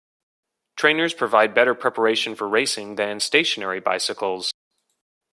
Trainers provide better preparation for racing than stationary bicycles.